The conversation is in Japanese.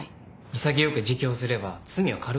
潔く自供すれば罪は軽くなるのに。